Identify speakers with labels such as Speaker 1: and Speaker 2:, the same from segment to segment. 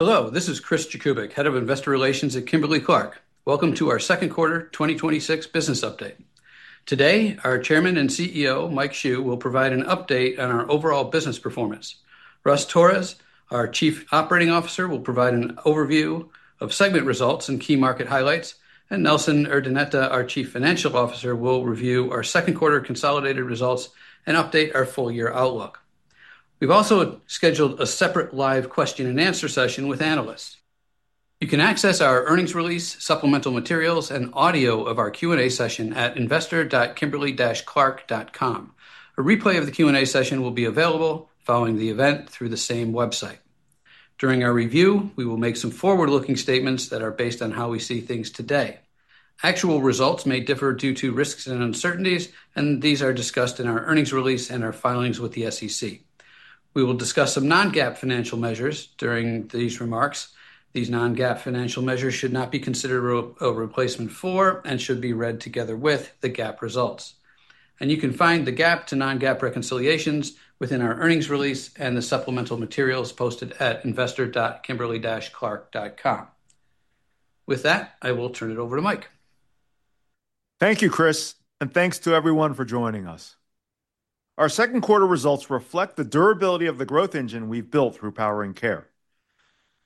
Speaker 1: Hello, this is Chris Jakubik, Head of Investor Relations at Kimberly-Clark. Welcome to our second quarter 2026 business update. Today, our Chairman and CEO, Mike Hsu, will provide an update on our overall business performance. Russ Torres, our Chief Operating Officer, will provide an overview of segment results and key market highlights, and Nelson Urdaneta, our Chief Financial Officer, will review our second quarter consolidated results and update our full-year outlook. We've also scheduled a separate live question and answer session with analysts. You can access our earnings release, supplemental materials, and audio of our Q&A session at investor.kimberly-clark.com. A replay of the Q&A session will be available following the event through the same website. During our review, we will make some forward-looking statements that are based on how we see things today. Actual results may differ due to risks and uncertainties, and these are discussed in our earnings release and our filings with the SEC. We will discuss some non-GAAP financial measures during these remarks. These non-GAAP financial measures should not be considered a replacement for, and should be read together with, the GAAP results. You can find the GAAP to non-GAAP reconciliations within our earnings release and the supplemental materials posted at investor.kimberly-clark.com. With that, I will turn it over to Mike.
Speaker 2: Thank you, Chris, and thanks to everyone for joining us. Our second quarter results reflect the durability of the growth engine we've built through Powering Care.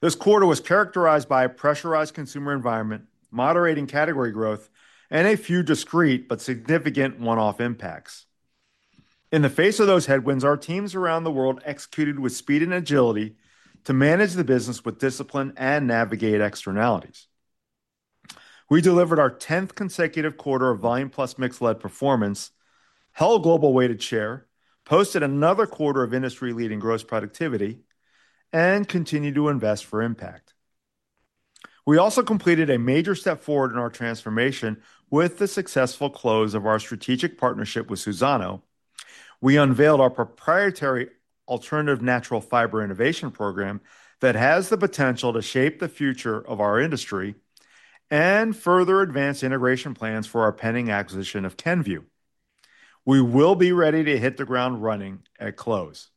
Speaker 2: This quarter was characterized by a pressurized consumer environment, moderating category growth, and a few discrete but significant one-off impacts. In the face of those headwinds, our teams around the world executed with speed and agility to manage the business with discipline and navigate externalities. We delivered our tenth consecutive quarter of volume plus mix-led performance, held global weighted share, posted another quarter of industry-leading gross productivity, and continue to invest for impact. We also completed a major step forward in our transformation with the successful close of our strategic partnership with Suzano. We unveiled our proprietary alternative natural fiber innovation program that has the potential to shape the future of our industry and further advance integration plans for our pending acquisition of Kenvue. We will be ready to hit the ground running at close.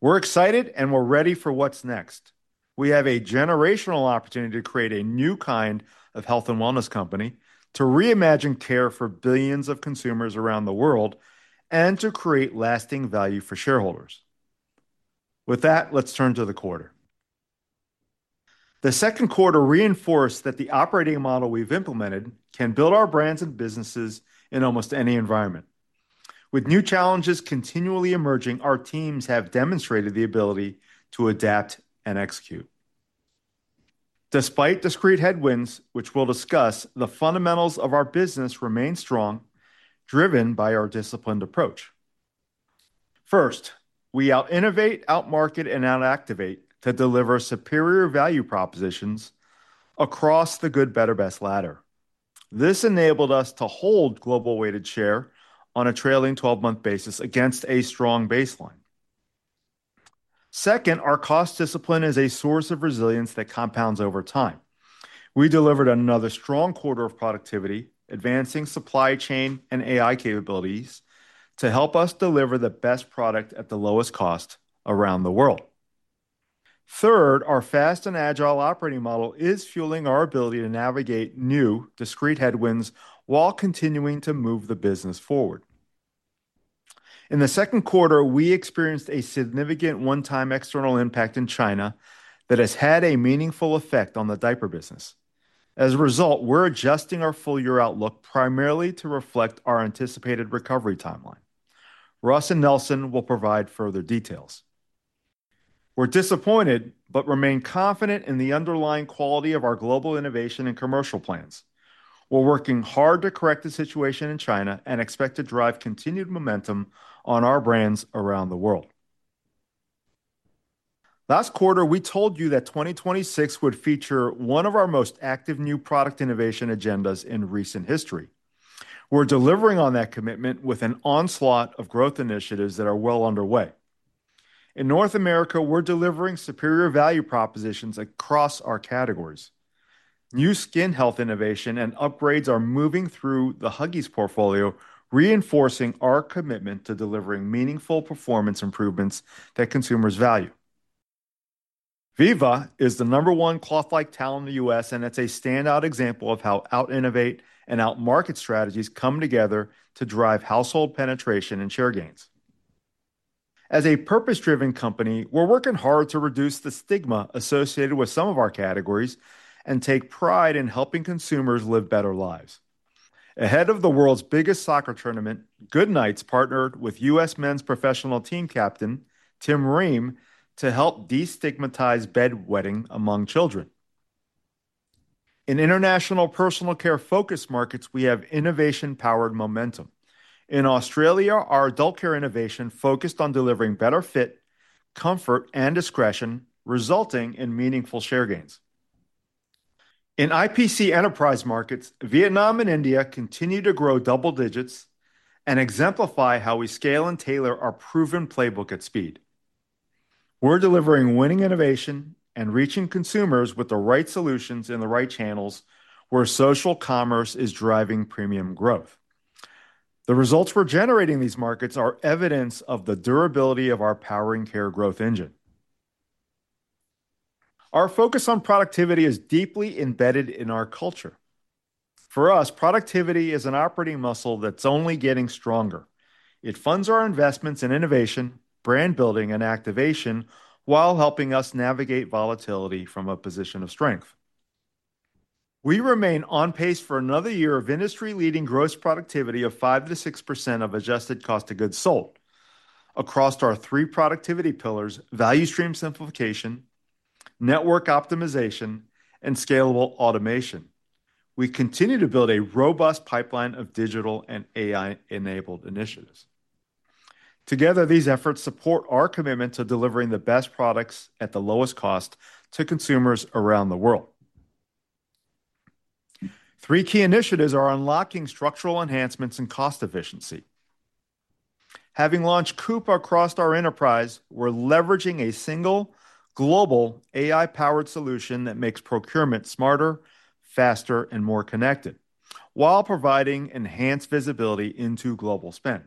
Speaker 2: We're excited and we're ready for what's next. We have a generational opportunity to create a new kind of health and wellness company, to reimagine care for billions of consumers around the world, and to create lasting value for shareholders. With that, let's turn to the quarter. The second quarter reinforced that the operating model we've implemented can build our brands and businesses in almost any environment. With new challenges continually emerging, our teams have demonstrated the ability to adapt and execute. Despite discrete headwinds, which we'll discuss, the fundamentals of our business remain strong, driven by our disciplined approach. First, we out-innovate, out-market, and out-activate to deliver superior value propositions across the good, better, best ladder. This enabled us to hold global weighted share on a trailing 12-month basis against a strong baseline. Second, our cost discipline is a source of resilience that compounds over time. We delivered another strong quarter of productivity, advancing supply chain and AI capabilities to help us deliver the best product at the lowest cost around the world. Third, our fast and agile operating model is fueling our ability to navigate new discrete headwinds while continuing to move the business forward. In the second quarter, we experienced a significant one-time external impact in China that has had a meaningful effect on the diaper business. As a result, we're adjusting our full-year outlook primarily to reflect our anticipated recovery timeline. Russ and Nelson will provide further details. We're disappointed, but remain confident in the underlying quality of our global innovation and commercial plans. We're working hard to correct the situation in China and expect to drive continued momentum on our brands around the world. Last quarter, we told you that 2026 would feature one of our most active new product innovation agendas in recent history. We're delivering on that commitment with an onslaught of growth initiatives that are well underway. In North America, we're delivering superior value propositions across our categories. New skin health innovation and upgrades are moving through the Huggies portfolio, reinforcing our commitment to delivering meaningful performance improvements that consumers value. Viva is the number one cloth-like towel in the U.S., and it's a standout example of how out-innovate and out-market strategies come together to drive household penetration and share gains. As a purpose-driven company, we're working hard to reduce the stigma associated with some of our categories and take pride in helping consumers live better lives. Ahead of the world's biggest soccer tournament, Goodnites partnered with U.S. Men's professional team captain Tim Ream to help destigmatize bedwetting among children. In International Personal Care focus markets, we have innovation-powered momentum. In Australia, our adult care innovation focused on delivering better fit, comfort, and discretion, resulting in meaningful share gains. In IPC enterprise markets, Vietnam and India continue to grow double digits and exemplify how we scale and tailor our proven playbook at speed. We're delivering winning innovation and reaching consumers with the right solutions in the right channels where social commerce is driving premium growth. The results we're generating in these markets are evidence of the durability of our Powering Care growth engine. Our focus on productivity is deeply embedded in our culture. For us, productivity is an operating muscle that's only getting stronger. It funds our investments in innovation, brand building, and activation while helping us navigate volatility from a position of strength. We remain on pace for another year of industry-leading gross productivity of 5%-6% of adjusted cost of goods sold across our three productivity pillars, value stream simplification, network optimization, and scalable automation. We continue to build a robust pipeline of digital and AI-enabled initiatives. Together, these efforts support our commitment to delivering the best products at the lowest cost to consumers around the world. Three key initiatives are unlocking structural enhancements and cost efficiency. Having launched Coupa across our enterprise, we're leveraging a single global AI-powered solution that makes procurement smarter, faster, and more connected while providing enhanced visibility into global spend.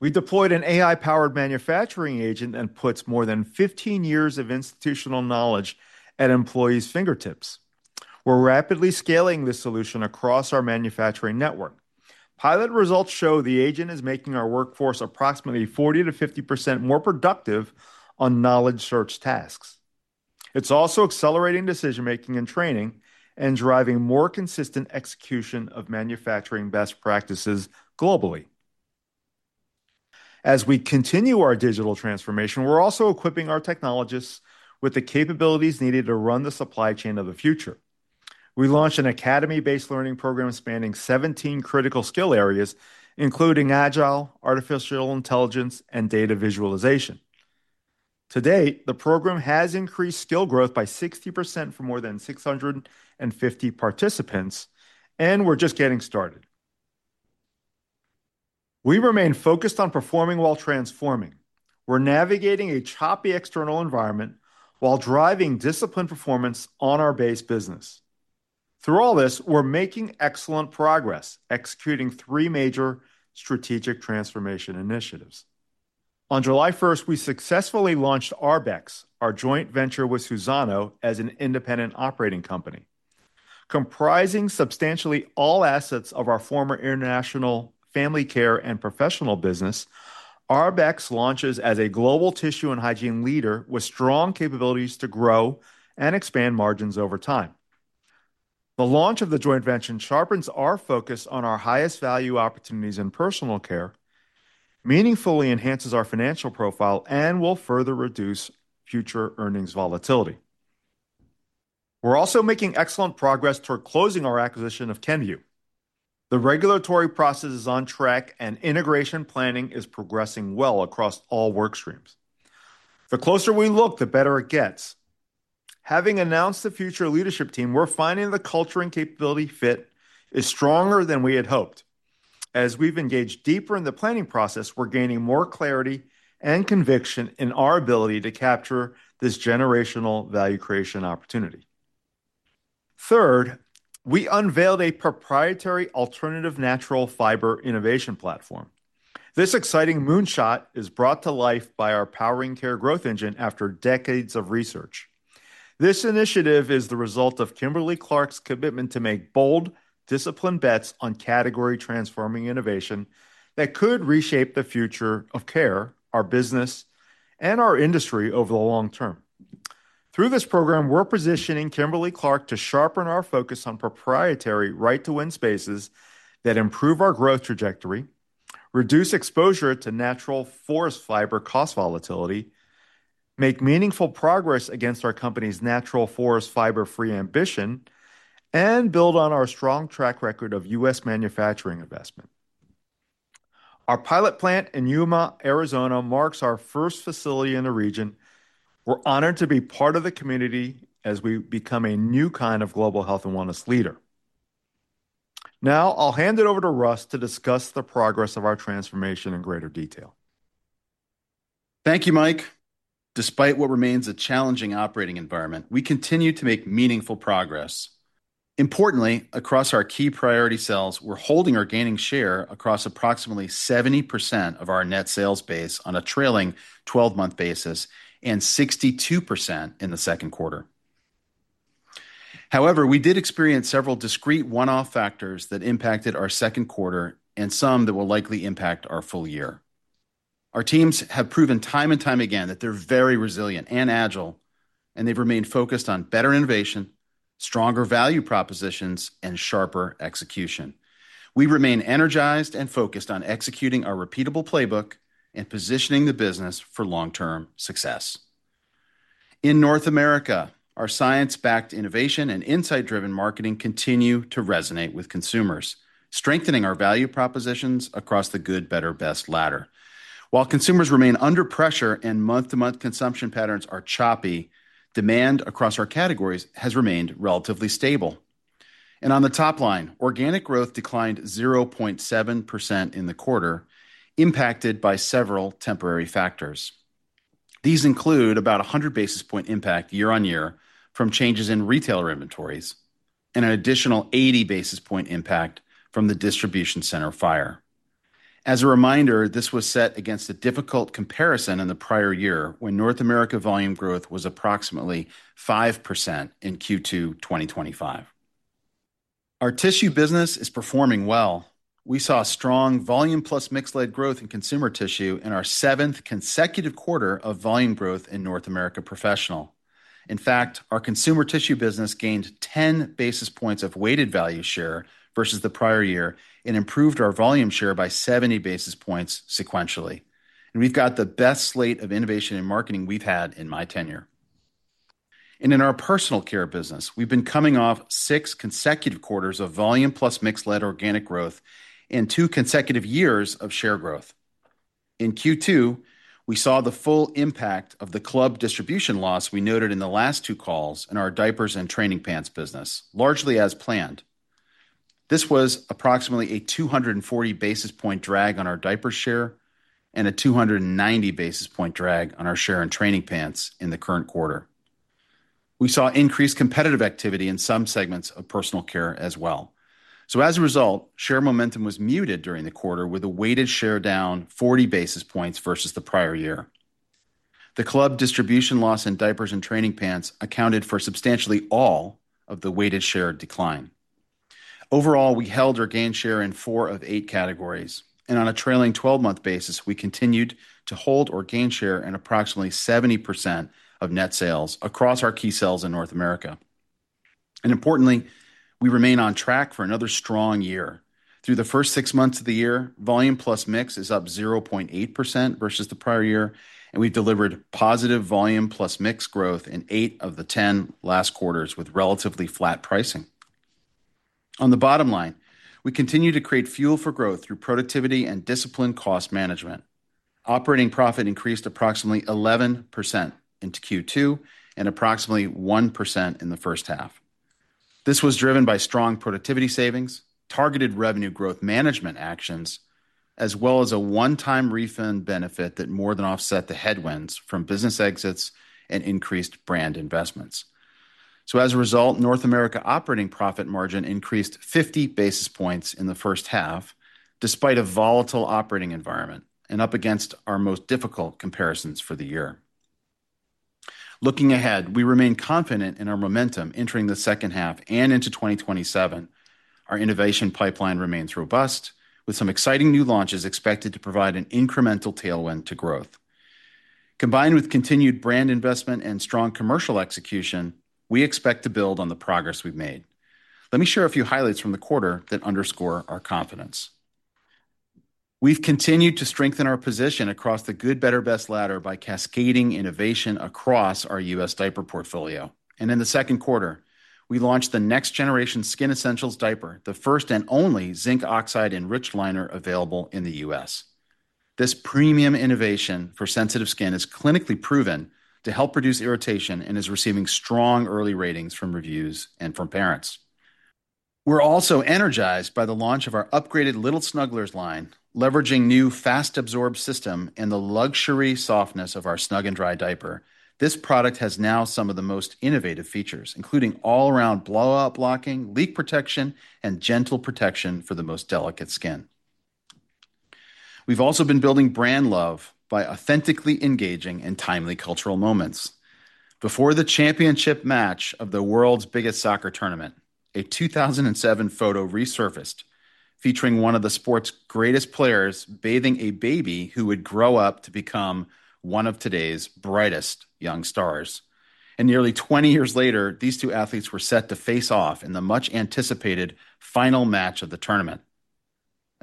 Speaker 2: We deployed an AI-powered manufacturing agent that puts more than 15 years of institutional knowledge at employees' fingertips. We're rapidly scaling this solution across our manufacturing network. Pilot results show the agent is making our workforce approximately 40%-50% more productive on knowledge search tasks. It's also accelerating decision-making and training and driving more consistent execution of manufacturing best practices globally. As we continue our digital transformation, we're also equipping our technologists with the capabilities needed to run the supply chain of the future. We launched an academy-based learning program spanning 17 critical skill areas, including Agile, artificial intelligence, and data visualization. To date, the program has increased skill growth by 60% for more than 650 participants, and we're just getting started. We remain focused on performing while transforming. We're navigating a choppy external environment while driving disciplined performance on our base business. Through all this, we're making excellent progress executing three major strategic transformation initiatives. On July 1st, we successfully launched Arbex, our joint venture with Suzano, as an independent operating company. Comprising substantially all assets of our former international family care and professional business, Arbex launches as a global tissue and hygiene leader with strong capabilities to grow and expand margins over time. The launch of the joint venture sharpens our focus on our highest value opportunities in personal care, meaningfully enhances our financial profile, and will further reduce future earnings volatility. We're also making excellent progress toward closing our acquisition of Kenvue. The regulatory process is on track, and integration planning is progressing well across all work streams. The closer we look, the better it gets. Having announced the future leadership team, we're finding the culture and capability fit is stronger than we had hoped. As we've engaged deeper in the planning process, we're gaining more clarity and conviction in our ability to capture this generational value creation opportunity. Third, we unveiled a proprietary alternative natural fiber innovation platform. This exciting moonshot is brought to life by our Powering Care growth engine after decades of research. This initiative is the result of Kimberly-Clark's commitment to make bold, disciplined bets on category-transforming innovation that could reshape the future of care, our business, and our industry over the long term. Through this program, we're positioning Kimberly-Clark to sharpen our focus on proprietary right-to-win spaces that improve our growth trajectory, reduce exposure to natural forest fiber cost volatility, make meaningful progress against our company's natural forest fiber-free ambition, and build on our strong track record of U.S. manufacturing investment. Our pilot plant in Yuma, Arizona, marks our first facility in the region. We're honored to be part of the community as we become a new kind of global health and wellness leader. Now, I'll hand it over to Russ to discuss the progress of our transformation in greater detail.
Speaker 3: Thank you, Mike. Despite what remains a challenging operating environment, we continue to make meaningful progress. Importantly, across our key priority sales, we're holding or gaining share across approximately 70% of our net sales base on a trailing 12-month basis and 62% in the second quarter. However, we did experience several discrete one-off factors that impacted our second quarter and some that will likely impact our full year. Our teams have proven time and time again that they're very resilient and agile, and they've remained focused on better innovation, stronger value propositions, and sharper execution. We remain energized and focused on executing our repeatable playbook and positioning the business for long-term success. In North America, our science-backed innovation and insight-driven marketing continue to resonate with consumers, strengthening our value propositions across the good, better, best ladder. While consumers remain under pressure and month-to-month consumption patterns are choppy, demand across our categories has remained relatively stable. On the top line, organic growth declined 0.7% in the quarter, impacted by several temporary factors. These include about 100 basis point impact year-on-year from changes in retailer inventories and an additional 80 basis point impact from the distribution center fire. As a reminder, this was set against a difficult comparison in the prior year, when North America volume growth was approximately 5% in Q2 2025. Our tissue business is performing well. We saw strong volume plus mix-led growth in consumer tissue in our seventh consecutive quarter of volume growth in North America Professional. In fact, our consumer tissue business gained 10 basis points of weighted value share versus the prior year and improved our volume share by 70 basis points sequentially. We've got the best slate of innovation in marketing we've had in my tenure. In our Personal Care business, we've been coming off six consecutive quarters of volume plus mix-led organic growth and two consecutive years of share growth. In Q2, we saw the full impact of the club distribution loss we noted in the last two calls in our diapers and training pants business, largely as planned. This was approximately a 240 basis point drag on our diaper share and a 290 basis point drag on our share in training pants in the current quarter. We saw increased competitive activity in some segments of Personal Care as well. As a result, share momentum was muted during the quarter, with a weighted share down 40 basis points versus the prior year. The club distribution loss in diapers and training pants accounted for substantially all of the weighted share decline. Overall, we held or gained share in four of eight categories, and on a trailing 12-month basis, we continued to hold or gain share in approximately 70% of net sales across our key sales in North America. Importantly, we remain on track for another strong year. Through the first six months of the year, volume plus mix is up 0.8% vs the prior year, and we've delivered positive volume plus mix growth in eight of the 10 last quarters with relatively flat pricing. On the bottom line, we continue to create fuel for growth through productivity and disciplined cost management. Operating profit increased approximately 11% into Q2 and approximately 1% in the first half. This was driven by strong productivity savings, targeted revenue growth management actions, as well as a one-time refund benefit that more than offset the headwinds from business exits and increased brand investments. As a result, North America operating profit margin increased 50 basis points in the first half, despite a volatile operating environment and up against our most difficult comparisons for the year. Looking ahead, we remain confident in our momentum entering the second half and into 2027. Our innovation pipeline remains robust, with some exciting new launches expected to provide an incremental tailwind to growth. Combined with continued brand investment and strong commercial execution, we expect to build on the progress we've made. Let me share a few highlights from the quarter that underscore our confidence. We've continued to strengthen our position across the good, better, best ladder by cascading innovation across our U.S. diaper portfolio. In the second quarter, we launched the next generation Skin Essentials diaper, the first and only zinc oxide-enriched liner available in the U.S. This premium innovation for sensitive skin is clinically proven to help reduce irritation and is receiving strong early ratings from reviews and from parents. We're also energized by the launch of our upgraded Little Snugglers line, leveraging new fast absorb system and the luxury softness of our Snug & Dry diaper. This product has now some of the most innovative features, including all-around blowout blocking, leak protection, and gentle protection for the most delicate skin. We've also been building brand love by authentically engaging in timely cultural moments. Before the championship match of the world's biggest soccer tournament, a 2007 photo resurfaced featuring one of the sport's greatest players bathing a baby who would grow up to become one of today's brightest young stars. Nearly 20 years later, these two athletes were set to face off in the much-anticipated final match of the tournament.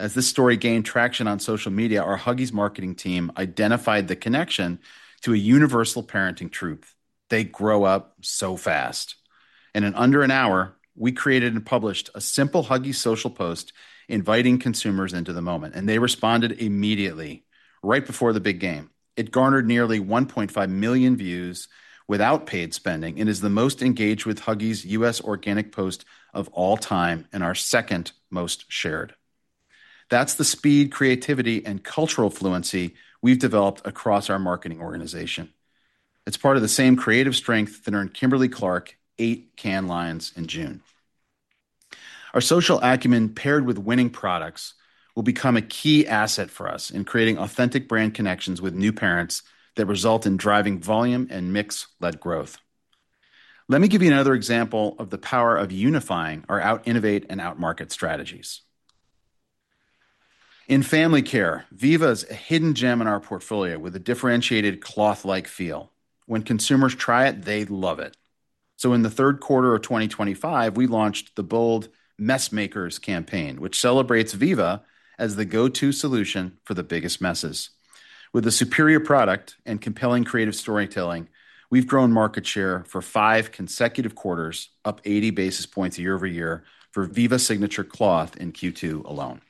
Speaker 3: As this story gained traction on social media, our Huggies marketing team identified the connection to a universal parenting truth. They grow up so fast. In under an hour, we created and published a simple Huggies social post inviting consumers into the moment, and they responded immediately, right before the big game. It garnered nearly 1.5 million views without paid spending and is the most engaged with Huggies' U.S. organic post of all time and our second-most shared. That's the speed, creativity, and cultural fluency we've developed across our marketing organization. It's part of the same creative strength that earned Kimberly-Clark eight Cannes Lions in June. Our social acumen paired with winning products will become a key asset for us in creating authentic brand connections with new parents that result in driving volume and mix-led growth. Let me give you another example of the power of unifying our out-innovate and out-market strategies. In family care, Viva's a hidden gem in our portfolio with a differentiated cloth-like feel. When consumers try it, they love it. In the third quarter of 2025, we launched the bold Messmakers campaign, which celebrates Viva as the go-to solution for the biggest messes. With a superior product and compelling creative storytelling, we've grown market share for five consecutive quarters, up 80 basis points year-over-year for Viva Signature Cloth in Q2 alone.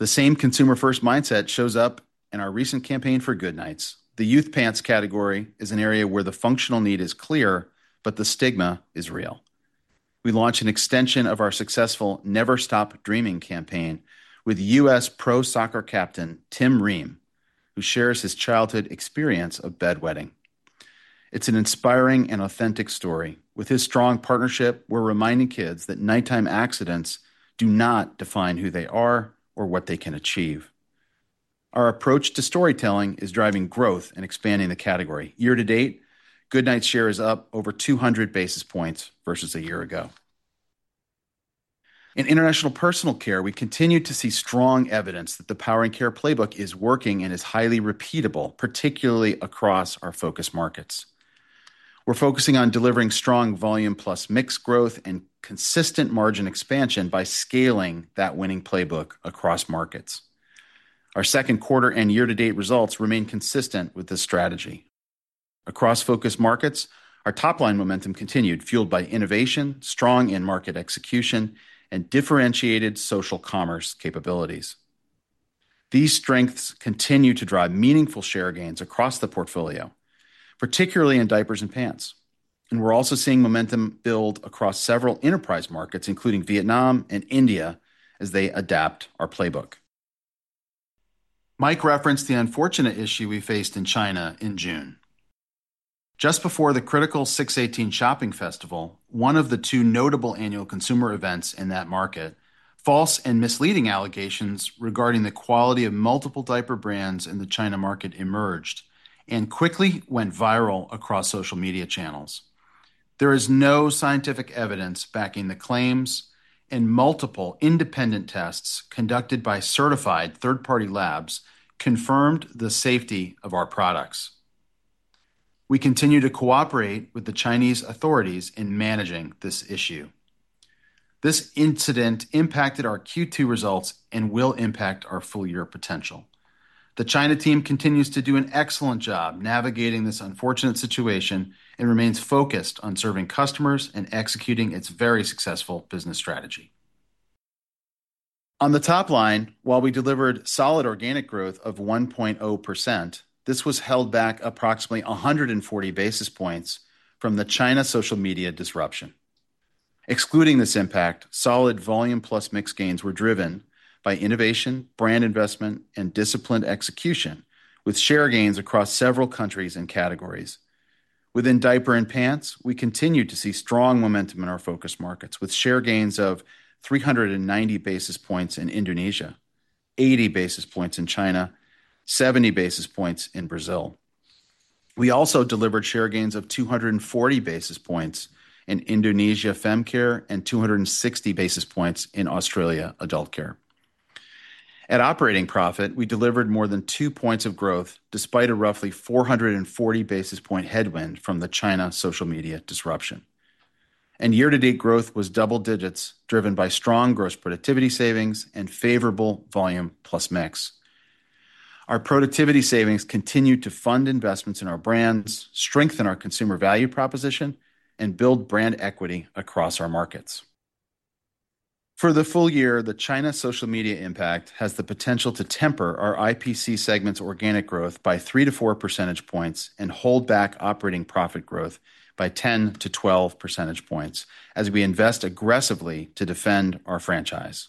Speaker 3: The same consumer-first mindset shows up in our recent campaign for Goodnites. The youth pants category is an area where the functional need is clear, but the stigma is real. We launch an extension of our successful Never Stop Dreaming campaign with U.S. Pro Soccer captain Tim Ream, who shares his childhood experience of bedwetting. It's an inspiring and authentic story. With his strong partnership, we're reminding kids that nighttime accidents do not define who they are or what they can achieve. Our approach to storytelling is driving growth and expanding the category. Year-to-date, Goodnites share is up over 200 basis points versus a year ago. In international personal care, we continue to see strong evidence that the Powering Care playbook is working and is highly repeatable, particularly across our focus markets. We're focusing on delivering strong volume plus mix growth and consistent margin expansion by scaling that winning playbook across markets. Our second quarter and year-to-date results remain consistent with this strategy. Across focus markets, our top-line momentum continued, fueled by innovation, strong in-market execution, and differentiated social commerce capabilities. These strengths continue to drive meaningful share gains across the portfolio, particularly in diapers and pants. We're also seeing momentum build across several enterprise markets, including Vietnam and India, as they adapt our playbook. Mike referenced the unfortunate issue we faced in China in June. Just before the critical 618 Shopping Festival, one of the two notable annual consumer events in that market, false and misleading allegations regarding the quality of multiple diaper brands in the China market emerged and quickly went viral across social media channels. There is no scientific evidence backing the claims, and multiple independent tests conducted by certified third-party labs confirmed the safety of our products. We continue to cooperate with the Chinese authorities in managing this issue. This incident impacted our Q2 results and will impact our full-year potential. The China team continues to do an excellent job navigating this unfortunate situation and remains focused on serving customers and executing its very successful business strategy. On the top line, while we delivered solid organic growth of 1.0%, this was held back approximately 140 basis points from the China social media disruption. Excluding this impact, solid volume plus mix gains were driven by innovation, brand investment, and disciplined execution, with share gains across several countries and categories. Within diaper and pants, we continue to see strong momentum in our focus markets, with share gains of 390 basis points in Indonesia, 80 basis points in China, 70 basis points in Brazil. We also delivered share gains of 240 basis points in Indonesia fem care and 260 basis points in Australia adult care. At operating profit, we delivered more than 2 points of growth despite a roughly 440 basis point headwind from the China social media disruption. Year-to-date growth was double digits, driven by strong gross productivity savings and favorable volume plus mix. Our productivity savings continue to fund investments in our brands, strengthen our consumer value proposition, and build brand equity across our markets. For the full year, the China social media impact has the potential to temper our IPC segment's organic growth by 3 percentage points-4 percentage points and hold back operating profit growth by 10 percentage points-12 percentage points as we invest aggressively to defend our franchise.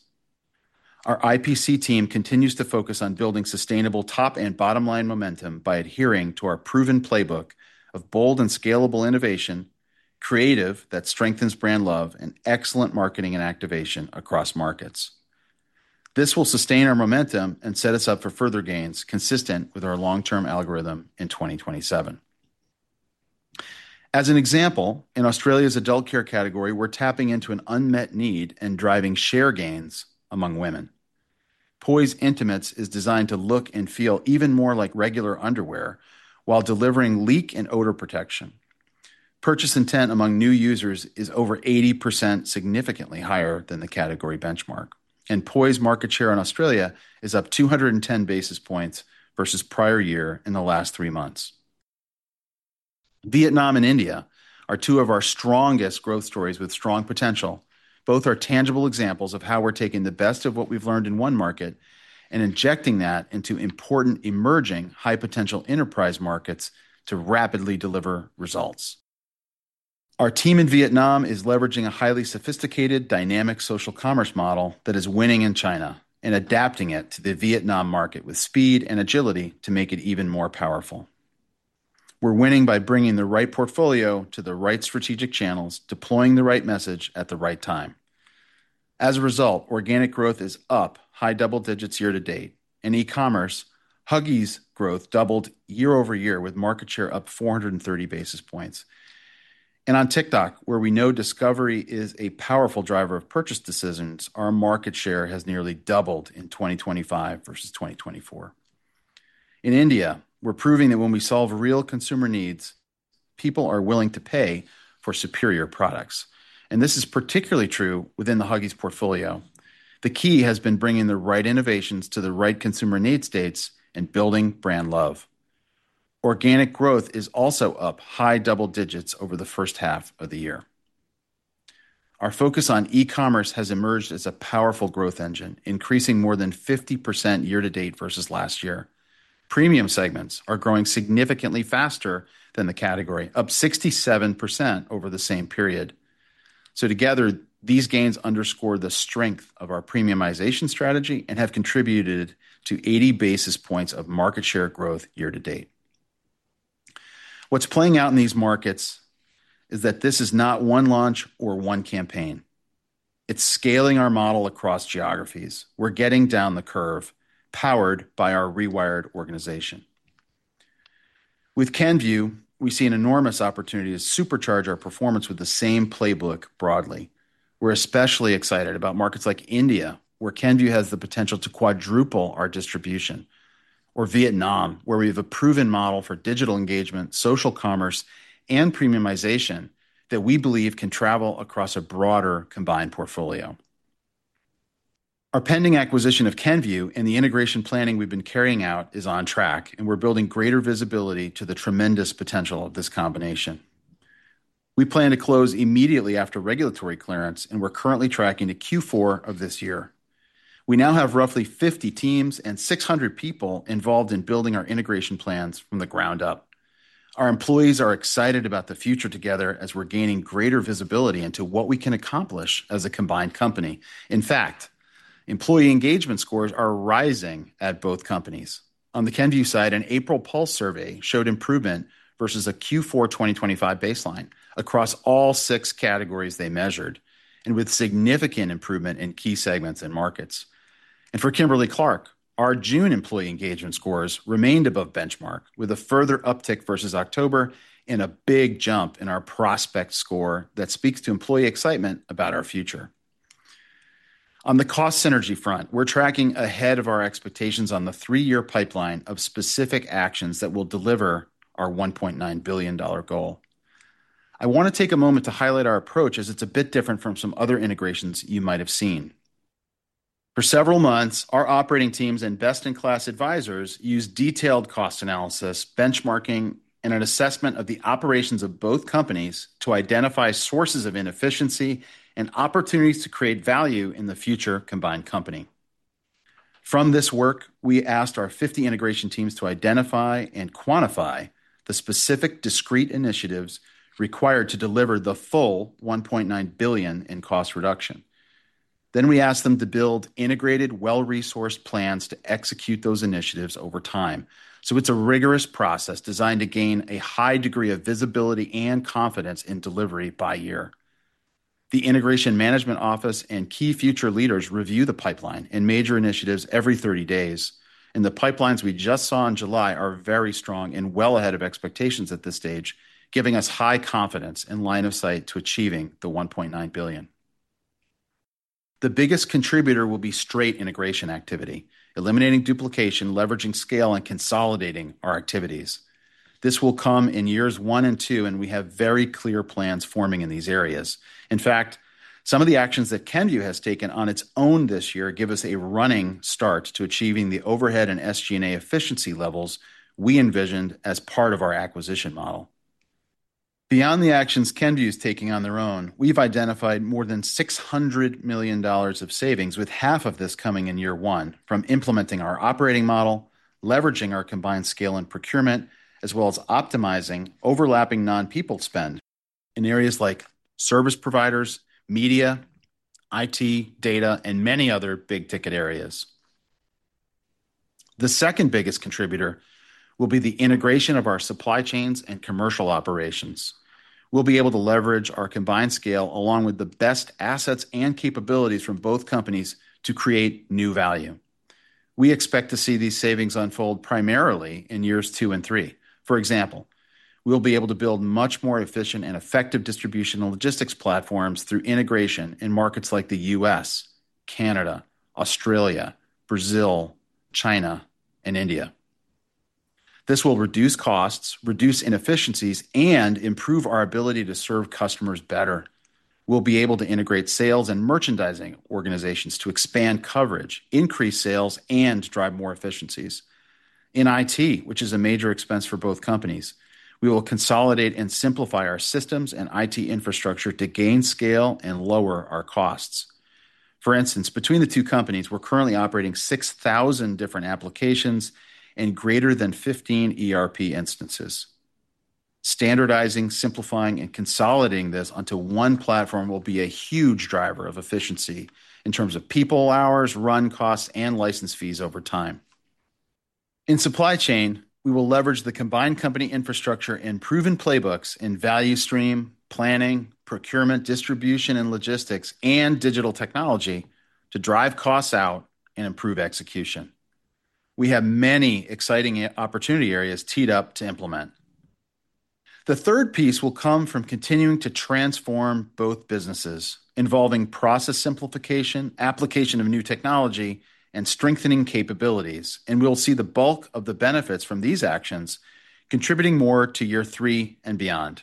Speaker 3: Our IPC team continues to focus on building sustainable top and bottom-line momentum by adhering to our proven playbook of bold and scalable innovation, creative that strengthens brand love, and excellent marketing and activation across markets. This will sustain our momentum and set us up for further gains consistent with our long-term algorithm in 2027. As an example, in Australia's adult care category, we're tapping into an unmet need and driving share gains among women. Poise Intimates is designed to look and feel even more like regular underwear while delivering leak and odor protection. Purchase intent among new users is over 80%, significantly higher than the category benchmark. Poise market share in Australia is up 210 basis points versus prior year in the last three months. Vietnam and India are two of our strongest growth stories with strong potential. Both are tangible examples of how we're taking the best of what we've learned in one market and injecting that into important emerging high-potential enterprise markets to rapidly deliver results. Our team in Vietnam is leveraging a highly sophisticated, dynamic social commerce model that is winning in China and adapting it to the Vietnam market with speed and agility to make it even more powerful. We're winning by bringing the right portfolio to the right strategic channels, deploying the right message at the right time. Organic growth is up high-double digits year-to-date. In e-commerce, Huggies growth doubled year-over-year with market share up 430 basis points. On TikTok, where we know discovery is a powerful driver of purchase decisions, our market share has nearly doubled in 2025 vs 2024. In India, we're proving that when we solve real consumer needs, people are willing to pay for superior products, and this is particularly true within the Huggies portfolio. The key has been bringing the right innovations to the right consumer need states and building brand love. Organic growth is also up high-double digits over the first half of the year. Our focus on e-commerce has emerged as a powerful growth engine, increasing more than 50% year to date vs last year. Premium segments are growing significantly faster than the category, up 67% over the same period. Together, these gains underscore the strength of our premiumization strategy and have contributed to 80 basis points of market share growth year-to-date. What's playing out in these markets is that this is not one launch or one campaign. It's scaling our model across geographies. We're getting down the curve, powered by our rewired organization. With Kenvue, we see an enormous opportunity to supercharge our performance with the same playbook broadly. We're especially excited about markets like India, where Kenvue has the potential to quadruple our distribution, or Vietnam, where we have a proven model for digital engagement, social commerce, and premiumization that we believe can travel across a broader combined portfolio. Our pending acquisition of Kenvue and the integration planning we've been carrying out is on track, and we're building greater visibility to the tremendous potential of this combination. We plan to close immediately after regulatory clearance, and we're currently tracking to Q4 of this year. We now have roughly 50 teams and 600 people involved in building our integration plans from the ground up. Our employees are excited about the future together as we're gaining greater visibility into what we can accomplish as a combined company. In fact, employee engagement scores are rising at both companies. On the Kenvue side, an April pulse survey showed improvement versus a Q4 2025 baseline across all six categories they measured, and with significant improvement in key segments and markets. For Kimberly-Clark, our June employee engagement scores remained above benchmark with a further uptick versus October and a big jump in our prospect score that speaks to employee excitement about our future. On the cost synergy front, we're tracking ahead of our expectations on the three-year pipeline of specific actions that will deliver our $1.9 billion goal. I want to take a moment to highlight our approach, as it's a bit different from some other integrations you might have seen. For several months, our operating teams and best-in-class advisors used detailed cost analysis, benchmarking, and an assessment of the operations of both companies to identify sources of inefficiency and opportunities to create value in the future combined company. From this work, we asked our 50 integration teams to identify and quantify the specific discrete initiatives required to deliver the full $1.9 billion in cost reduction. Then we asked them to build integrated, well-resourced plans to execute those initiatives over time. It's a rigorous process designed to gain a high degree of visibility and confidence in delivery by year. The Integration Management Office and key future leaders review the pipeline and major initiatives every 30 days, and the pipelines we just saw in July are very strong and well ahead of expectations at this stage, giving us high confidence and line of sight to achieving the $1.9 billion. The biggest contributor will be straight integration activity, eliminating duplication, leveraging scale, and consolidating our activities. This will come in years one and two, and we have very clear plans forming in these areas. In fact, some of the actions that Kenvue has taken on its own this year give us a running start to achieving the overhead and SG&A efficiency levels we envisioned as part of our acquisition model. Beyond the actions Kenvue is taking on their own, we've identified more than $600 million of savings, with half of this coming in year one from implementing our operating model, leveraging our combined scale and procurement, as well as optimizing overlapping non-people spend in areas like service providers, media, IT, data, and many other big-ticket areas. The second biggest contributor will be the integration of our supply chains and commercial operations. We'll be able to leverage our combined scale, along with the best assets and capabilities from both companies, to create new value. We expect to see these savings unfold primarily in years two and three. For example, we'll be able to build much more efficient and effective distributional logistics platforms through integration in markets like the U.S., Canada, Australia, Brazil, China, and India. This will reduce costs, reduce inefficiencies, and improve our ability to serve customers better. We'll be able to integrate sales and merchandising organizations to expand coverage, increase sales, and drive more efficiencies. In IT, which is a major expense for both companies, we will consolidate and simplify our systems and IT infrastructure to gain scale and lower our costs. For instance, between the two companies, we're currently operating 6,000 different applications and greater than 15 ERP instances. Standardizing, simplifying, and consolidating this onto one platform will be a huge driver of efficiency in terms of people hours, run costs, and license fees over time. In supply chain, we will leverage the combined company infrastructure and proven playbooks in value stream, planning, procurement, distribution and logistics, and digital technology to drive costs out and improve execution. We have many exciting opportunity areas teed up to implement. The third piece will come from continuing to transform both businesses, involving process simplification, application of new technology, and strengthening capabilities, and we'll see the bulk of the benefits from these actions contributing more to year three and beyond.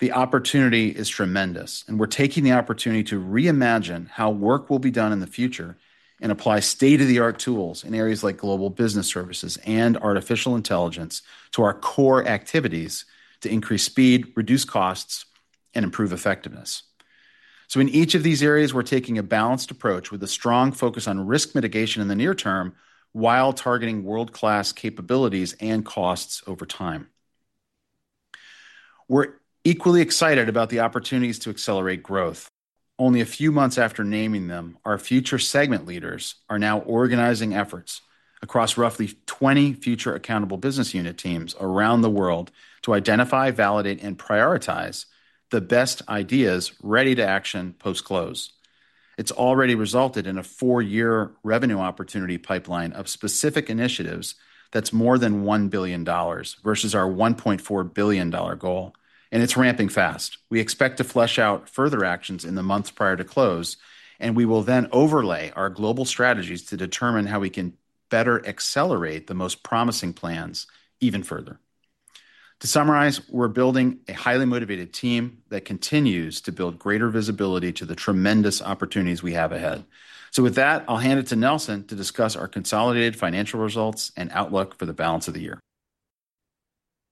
Speaker 3: The opportunity is tremendous, and we're taking the opportunity to reimagine how work will be done in the future and apply state-of-the-art tools in areas like global business services and artificial intelligence to our core activities to increase speed, reduce costs, and improve effectiveness. In each of these areas, we're taking a balanced approach with a strong focus on risk mitigation in the near term while targeting world-class capabilities and costs over time. We're equally excited about the opportunities to accelerate growth. Only a few months after naming them, our future segment leaders are now organizing efforts across roughly 20 future accountable business unit teams around the world to identify, validate, and prioritize the best ideas ready to action post-close. It's already resulted in a four-year revenue opportunity pipeline of specific initiatives that's more than $1 billion vs our $1.4 billion goal, and it's ramping fast. We expect to flesh out further actions in the months prior to close, and we will then overlay our global strategies to determine how we can better accelerate the most promising plans even further. To summarize, we're building a highly motivated team that continues to build greater visibility to the tremendous opportunities we have ahead. With that, I'll hand it to Nelson to discuss our consolidated financial results and outlook for the balance of the year.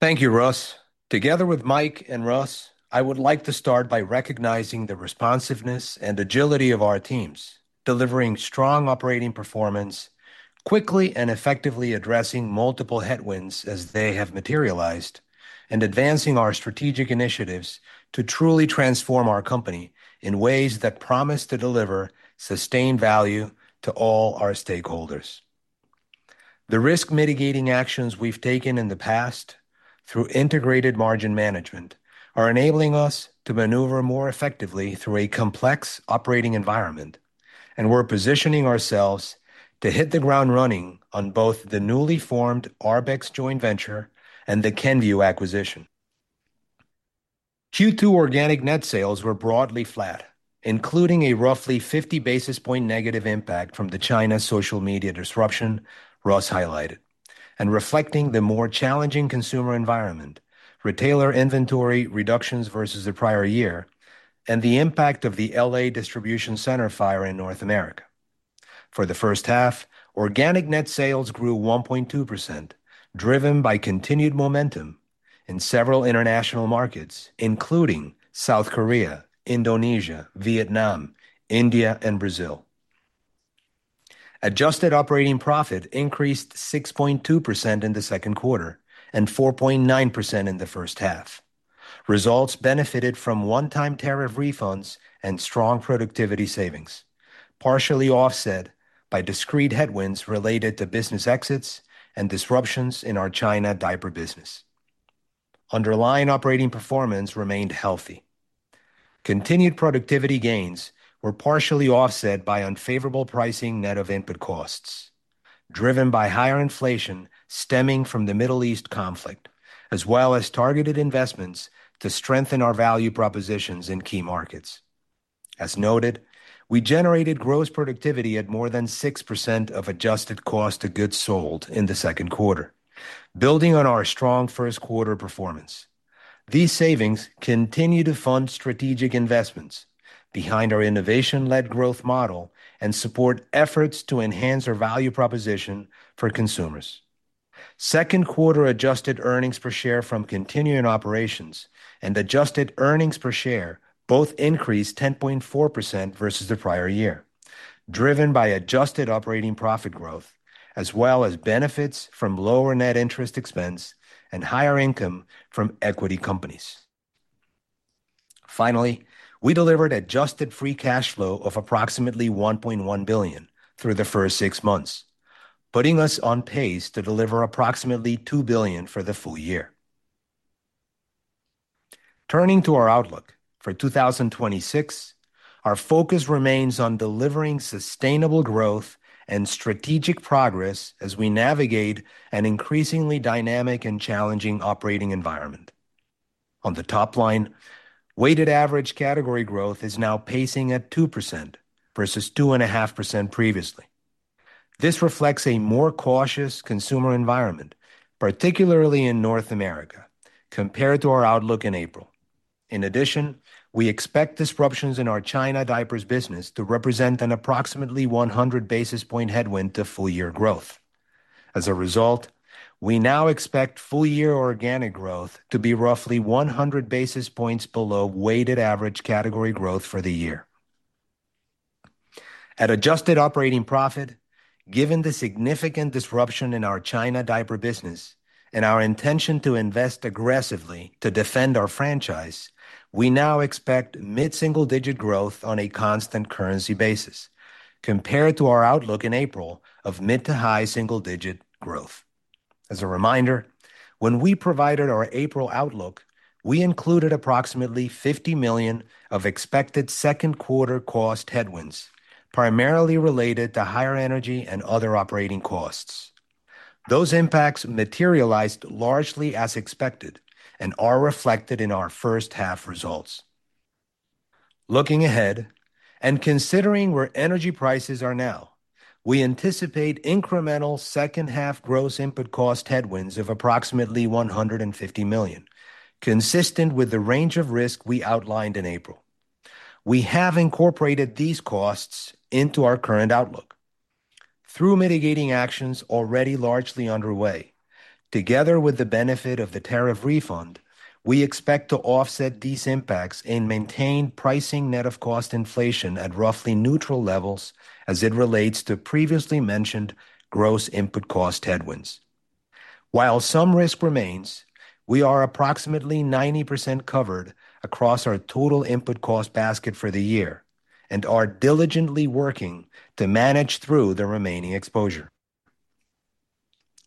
Speaker 4: Thank you, Russ. Together with Mike and Russ, I would like to start by recognizing the responsiveness and agility of our teams, delivering strong operating performance quickly and effectively addressing multiple headwinds as they have materialized, and advancing our strategic initiatives to truly transform our company in ways that promise to deliver sustained value to all our stakeholders. The risk mitigating actions we've taken in the past through integrated margin management are enabling us to maneuver more effectively through a complex operating environment, and we're positioning ourselves to hit the ground running on both the newly formed Arbex joint venture and the Kenvue acquisition. Q2 organic net sales were broadly flat, including a roughly 50 basis point negative impact from the China social media disruption Russ highlighted, reflecting the more challenging consumer environment, retailer inventory reductions versus the prior year, and the impact of the L.A. distribution center fire in North America. For the first half, organic net sales grew 1.2%, driven by continued momentum in several international markets, including South Korea, Indonesia, Vietnam, India, and Brazil. Adjusted operating profit increased 6.2% in the second quarter and 4.9% in the first half. Results benefited from one-time tariff refunds and strong productivity savings, partially offset by discrete headwinds related to business exits and disruptions in our China diaper business. Underlying operating performance remained healthy. Continued productivity gains were partially offset by unfavorable pricing net of input costs, driven by higher inflation stemming from the Middle East conflict, as well as targeted investments to strengthen our value propositions in key markets. As noted, we generated gross productivity at more than 6% of adjusted cost of goods sold in the second quarter. Building on our strong first quarter performance, these savings continue to fund strategic investments behind our innovation-led growth model and support efforts to enhance our value proposition for consumers. Second quarter adjusted earnings per share from continuing operations and adjusted earnings per share both increased 10.4% versus the prior year, driven by adjusted operating profit growth as well as benefits from lower net interest expense and higher income from equity companies. We delivered adjusted free cash flow of approximately $1.1 billion through the first six months, putting us on pace to deliver approximately $2 billion for the full year. Turning to our outlook for 2026, our focus remains on delivering sustainable growth and strategic progress as we navigate an increasingly dynamic and challenging operating environment. On the top line, weighted average category growth is now pacing at 2% vs 2.5% previously. This reflects a more cautious consumer environment, particularly in North America, compared to our outlook in April. In addition, we expect disruptions in our China diapers business to represent an approximately 100 basis point headwind to full year growth. We now expect full year organic growth to be roughly 100 basis points below weighted average category growth for the year. At adjusted operating profit, given the significant disruption in our China diaper business and our intention to invest aggressively to defend our franchise, we now expect mid-single digit growth on a constant currency basis compared to our outlook in April of mid- to high-single digit growth. As a reminder, when we provided our April outlook, we included approximately $50 million of expected second quarter cost headwinds, primarily related to higher energy and other operating costs. Those impacts materialized largely as expected and are reflected in our first half results. Looking ahead and considering where energy prices are now, we anticipate incremental second half gross input cost headwinds of approximately $150 million, consistent with the range of risk we outlined in April. We have incorporated these costs into our current outlook. Through mitigating actions already largely underway, together with the benefit of the tariff refund, we expect to offset these impacts and maintain pricing net of cost inflation at roughly neutral levels as it relates to previously mentioned gross input cost headwinds. While some risk remains, we are approximately 90% covered across our total input cost basket for the year and are diligently working to manage through the remaining exposure.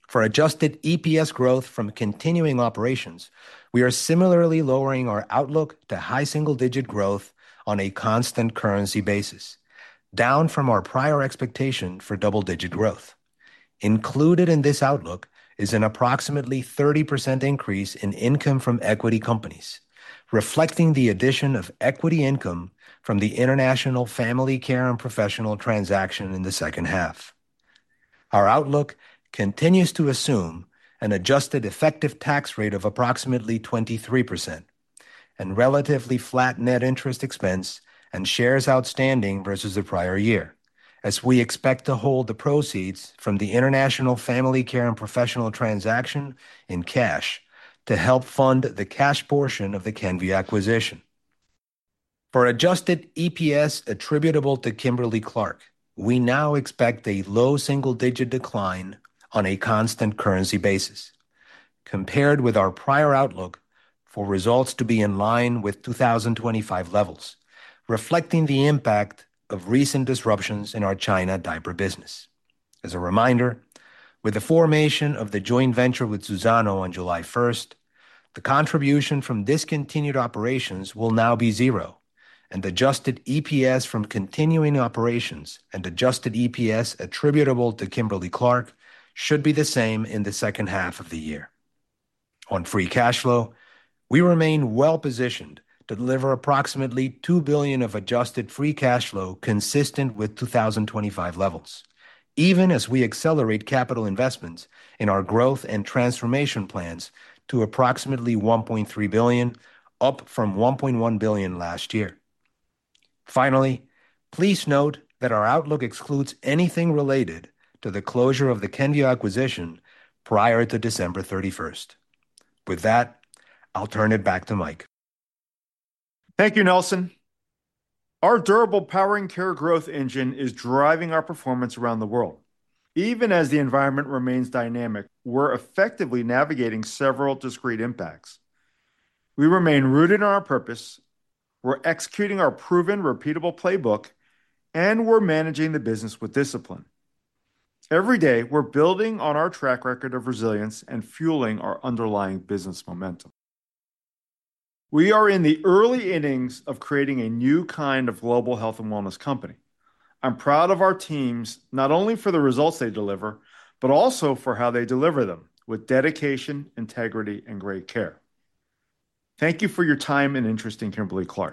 Speaker 4: For adjusted EPS growth from continuing operations, we are similarly lowering our outlook to high-single digit growth on a constant currency basis, down from our prior expectation for double digit growth. Included in this outlook is an approximately 30% increase in income from equity companies, reflecting the addition of equity income from the International Family Care and Professional transaction in the second half. Our outlook continues to assume an adjusted effective tax rate of approximately 23% and relatively flat net interest expense and shares outstanding vs the prior year, as we expect to hold the proceeds from the International Family Care and Professional transaction in cash to help fund the cash portion of the Kenvue acquisition. For adjusted EPS attributable to Kimberly-Clark, we now expect a low-single digit decline on a constant currency basis compared with our prior outlook for results to be in line with 2025 levels, reflecting the impact of recent disruptions in our China diaper business. As a reminder, with the formation of the joint venture with Suzano on July 1st, the contribution from discontinued operations will now be zero, and adjusted EPS from continuing operations and adjusted EPS attributable to Kimberly-Clark should be the same in the second half of the year. On free cash flow, we remain well-positioned to deliver approximately $2 billion of adjusted free cash flow consistent with 2025 levels, even as we accelerate capital investments in our growth and transformation plans to approximately $1.3 billion, up from $1.1 billion last year. Finally, please note that our outlook excludes anything related to the closure of the Kenvue acquisition prior to December 31st. With that, I'll turn it back to Mike.
Speaker 2: Thank you, Nelson. Our durable Powering Care growth engine is driving our performance around the world. Even as the environment remains dynamic, we're effectively navigating several discrete impacts. We remain rooted in our purpose, we're executing our proven repeatable playbook, and we're managing the business with discipline. Every day, we're building on our track record of resilience and fueling our underlying business momentum. We are in the early innings of creating a new kind of global health and wellness company. I'm proud of our teams, not only for the results they deliver, but also for how they deliver them, with dedication, integrity, and great care. Thank you for your time and interest in Kimberly-Clark.